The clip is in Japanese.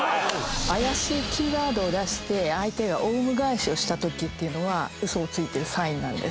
怪しいキーワードを出して相手がオウム返しをしたときはウソをついてるサインなんです。